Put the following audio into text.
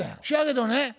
そやけどね